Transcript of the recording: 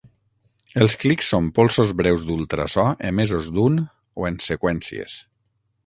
Els clics són polsos breus d'ultrasò emesos d'un o en seqüències.